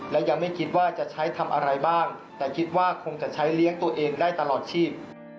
และยังไม่คิดว่าจะใช้ทำอะไรบ้างแต่คิดว่าคงจะใช้เลี้ยงตัวเองได้ตลอดชีพ